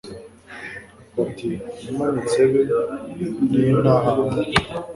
Bati Namanitse bein 'ntahantu